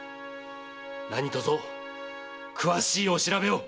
何とぞ詳しいお調べを！